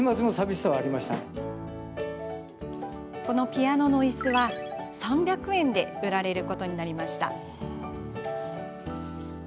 このピアノのイスは３００円で売られることになりました。